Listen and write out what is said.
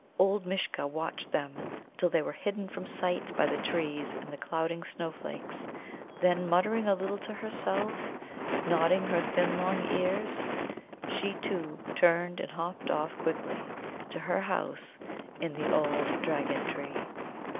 Old Mishcha watched them till they were hidden from sight by the trees and the clouding snow flakes; then, muttering a little to herself, nodding her thin long ears, she, too, turned and hopped off quickly to her house in the old Dragon tree.